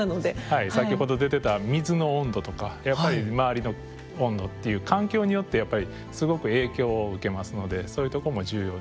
先ほど出てた水の温度とかやっぱり周りの温度っていう環境によってすごく影響を受けますのでそういうところも重要ですね。